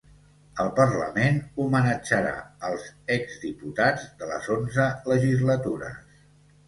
El parlament homenatjarà els ex-diputats de les onze legislatures.